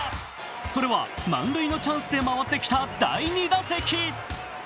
それは満塁のチャンスで回ってきた第２打席。